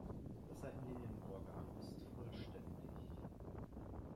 Das Seitenlinienorgan ist vollständig.